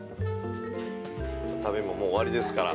◆旅も、もう終わりですから。